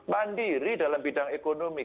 mandiri dalam bidang ekonomi